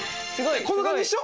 こんな感じでしょ。